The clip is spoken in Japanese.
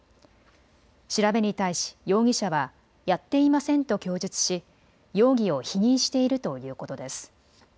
調べに対し容疑者はやっていませんと供述し容疑を否認しているということです。